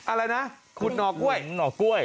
อะไรนะขุดหนอกก้วย